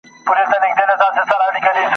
یو خو نه دی را سره دي زر یادونه ..